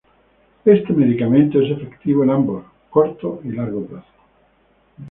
Este medicamento es efectivo en ambos, corto y largo plazo.